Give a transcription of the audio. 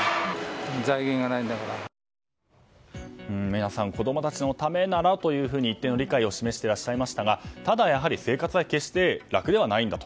皆さん子供たちのためならと一定の理解を示していましたがただ、生活は決して楽ではないんだと。